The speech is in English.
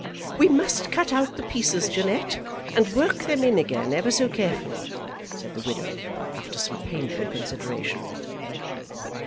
"We must cut out the pieces, Jeannette, and work 'em in again ever so carefully," said the widow, after some painful consideration.